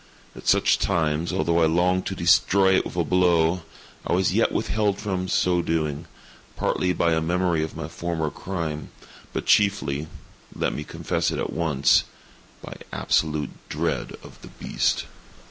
At such times, although I longed to destroy it with a blow, I was yet withheld from so doing, partly by a memory of my former crime, but chiefly—let me confess it at once—by absolute dread of the beast.